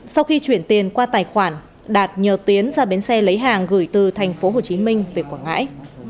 sau khi chuyển tiền qua tài khoản đạt nhờ tiến ra bến xe lấy hàng gửi từ tp hồ chí minh về quảng ngãi